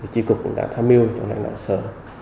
chỉ cục đã tham mưu cho lãnh đạo sở